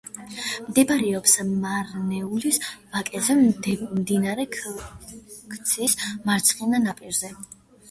მდებარეობს მარნეულის ვაკეზე, მდინარე ქციის მარცხენა ნაპირზე.